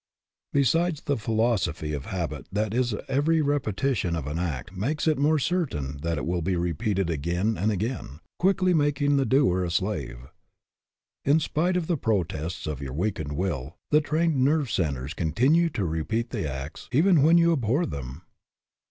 Besides, the philosophy of habit is that every repetition of an act makes it more certain that it will be repeated again and again, quickly making the doer a slave. In spite of the protests of your weakened will, the trained nerves continue to repeat the acts even when you abhor them.